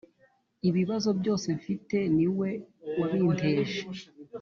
ibibazo byose mfite niwe wabinteje